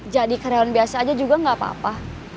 jadi karyawan biasa aja juga nggak apa apa